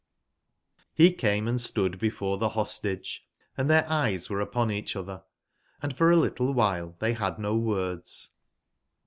i66 G came and stood before the Hostage, & tbeir eyes were upon each other, and for a little while they had no words.